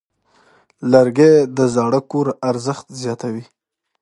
لرګی د زاړه کور ارزښت زیاتوي.